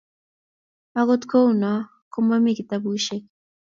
akot kou noo komami kitabusiek